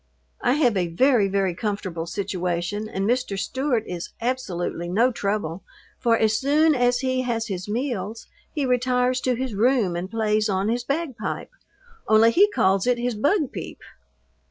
I have a very, very comfortable situation and Mr. Stewart is absolutely no trouble, for as soon as he has his meals he retires to his room and plays on his bagpipe, only he calls it his "bugpeep."